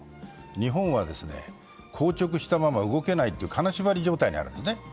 日本は硬直したまま動けないという金縛り状態にあるわけですね。